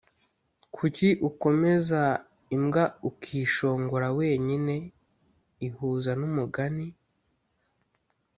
kuki ukomeza imbwa ukishongora wenyine? ihuza n'umugani